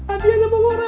adianya mau ngora